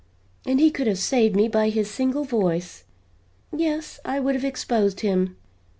And he could have saved me by his single voice. Yes, I would have exposed him!